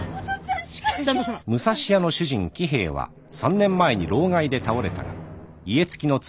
武蔵屋の主人喜兵衛は３年前に労咳で倒れたが家付きの妻